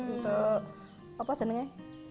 untuk apa namanya